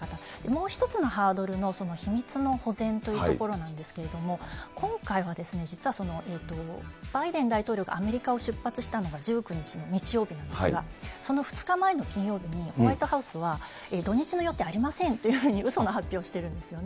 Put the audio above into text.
もう１つのハードルの秘密の保全というところなんですけれども、今回は実は、バイデン大統領、アメリカを出発したのが、１９日の日曜日なんですが、その２日前の金曜日に、ホワイトハウスは、土日の予定ありませんというふうにうその発表をしてるんですね。